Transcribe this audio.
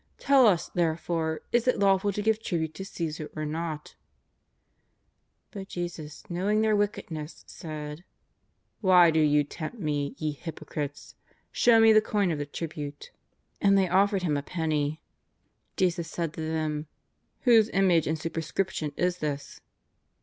Tell us, therefore, is it lawful to give tribute to Ca?sar or not ?" But Jesus, knowing their wickedness, said :'' Why do ye tempt Me, ye hyprocrites ? Show Me the coin of the tribute." And they offered Him a penny. Jesus said to them :" Whose image and superscrip tion is this